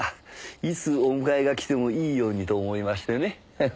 いつお迎えが来てもいいようにと思いましてね。